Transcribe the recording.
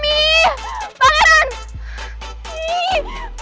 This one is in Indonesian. ditaukan dia pacar gue